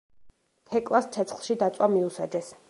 თეკლას ცეცხლში დაწვა მიუსაჯეს.